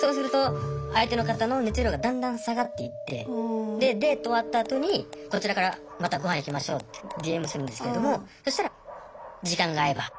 そうすると相手の方の熱量がだんだん下がっていってでデート終わったあとにこちらから「またご飯行きましょう」ってＤＭするんですけれどもそしたら「時間があえば」。